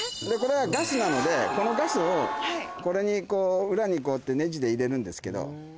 これはガスなのでこのガスをこれにこう裏にこうやってネジで入れるんですけど。